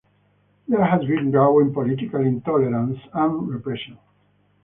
There has been growing political intolerance and repression.